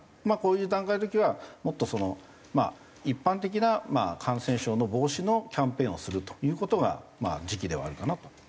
まあこういう段階の時はもっとその一般的な感染症の防止のキャンペーンをするという事がまあ時期ではあるかなと。